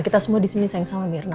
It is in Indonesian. kita semua disini sayang sama mirna